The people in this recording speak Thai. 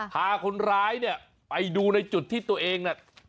พาคนร้ายไปดูในจุดที่ตัวเอง